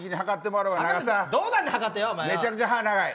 めちゃくちゃ歯、長い。